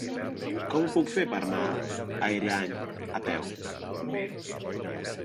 Com ho puc fer per anar a Ariany a peu?